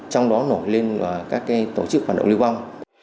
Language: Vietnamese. trong đó nổi lên các tổ chức hoạt động liên quan